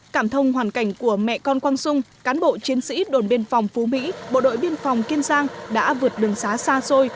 cảm thông hoàn cảnh của mẹ con quang sung cán bộ chiến sĩ đồn biên phòng phú mỹ bộ đội biên phòng kiên giang đã vượt đường xá xa xôi